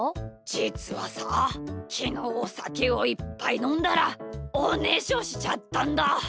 じつはさきのうおさけをいっぱいのんだらおねしょしちゃったんだ。